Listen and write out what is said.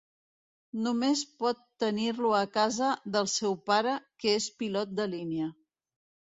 Només pot tenir-lo a casa del seu pare que és pilot de línia.